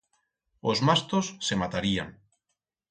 Os mastos se matarían.